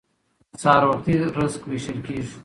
سهار وختي رزق ویشل کیږي.